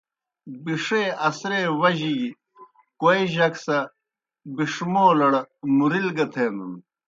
بِݜے اثرے وجہ گیْ کوئے جک سہ بِݜمَولَڑ مُرِل گہ تھینَن۔